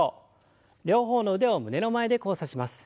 両方の腕を胸の前で交差します。